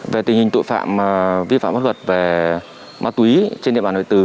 về tình hình tội phạm vi phạm bắt quật về ma túy trên địa bàn huyện đại tử